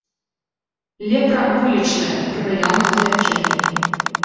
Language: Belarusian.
Лепра вылечная, пры наяўнасці лячэння.